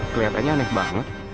keliatannya aneh banget